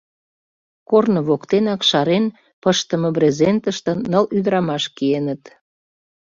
Корно воктенак шарен пыштыме брезентыште ныл ӱдырамаш киеныт.